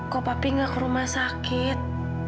kok papi gak ke rumah sakit